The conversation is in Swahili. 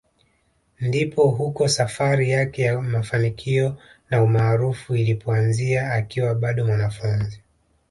Ndipo huko safari yake ya mafanikio na umaarufu ilipoanzia akiwa bado mwanafunzi